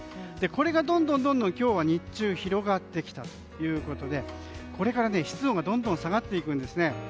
これがどんどん今日は日中広がってきたということでこれから湿度がどんどん下がっていくんですね。